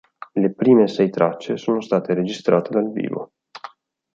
Le prime sei tracce sono state registrate dal vivo.